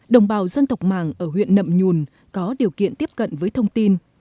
đồng bào dân tộc màng ở huyện nậm nhùn có điều kiện tiếp cận với thông tin